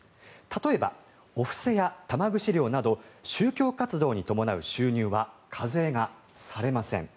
例えばお布施や玉串料など宗教活動に伴う収入は課税がされません。